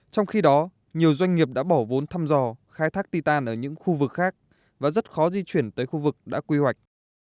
trong khi đó nhiều doanh nghiệp đã bỏ vốn thăm dò khai thác ti tàn ở những khu vực khác và rất khó di chuyển tới khu vực đã quy hoạch